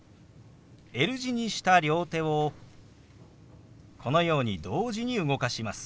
Ｌ字にした両手をこのように同時に動かします。